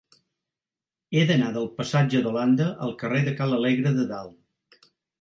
He d'anar del passatge d'Holanda al carrer de Ca l'Alegre de Dalt.